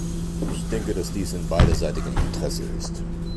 Ich denke, dass dies in beiderseitigem Interesse ist.